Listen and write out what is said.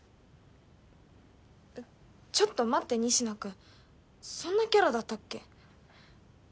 ちょっと待って仁科君そんなキャラだったっけ？